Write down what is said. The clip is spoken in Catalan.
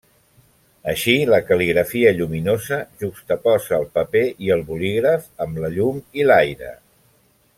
Així, la cal·ligrafia lluminosa juxtaposa el paper i el bolígraf amb la llum i l’aire.